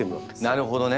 なるほどね。